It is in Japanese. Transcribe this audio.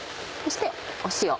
そして塩